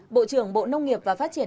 bộ trưởng bộ nông nghiệp và phát triển